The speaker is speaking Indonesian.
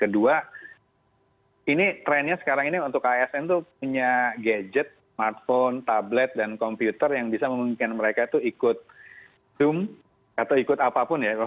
kedua ini trennya sekarang ini untuk asn itu punya gadget smartphone tablet dan komputer yang bisa memungkinkan mereka itu ikut zoom atau ikut apapun ya